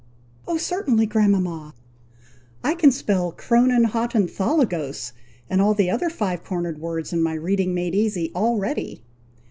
"O certainly, grandmama! I can spell chrononhotonthologos, and all the other five cornered words in my 'Reading Made Easy,' already."